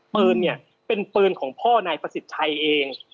ปืนเนี่ยเป็นปืนของพ่อนายประสิทธิ์ชัยเอง